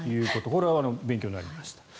これは勉強になりました。